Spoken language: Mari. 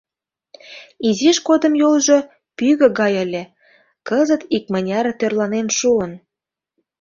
Изиж годым йолжо пӱгӧ гай ыле, кызыт икмыняр тӧрланен шуын.